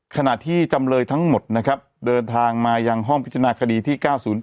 ขณะที่จำเลยทั้งหมดนะครับเดินทางมายังห้องพิจารณาคดีที่๙๐๘